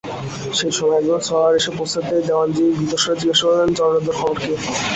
সেই সময় একজন সওয়ার এসে পৌঁছতেই দেওয়ানজি ভীতস্বরে জিজ্ঞাসা করলেন, জটাধর খবর কী?